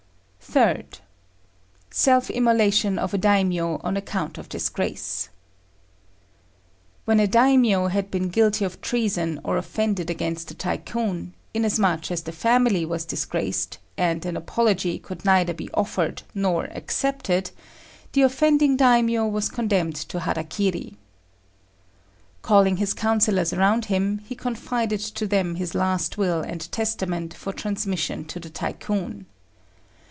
3rd. Self immolation of a Daimio on account of disgrace. When a Daimio had been guilty of treason or offended against the Tycoon, inasmuch as the family was disgraced, and an apology could neither be offered nor accepted, the offending Daimio was condemned to hara kiri. Calling his councillors around him, he confided to them his last will and testament for transmission to the Tycoon.